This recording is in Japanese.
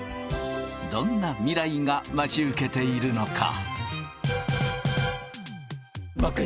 どんな未来が待ち受けているのか？